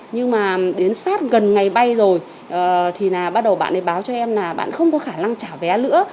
nhưng mà đến sát gần ngày bay rồi thì bắt đầu bạn ấy báo cho em là bạn không có khả năng trả vé nữa